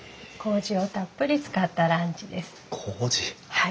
はい。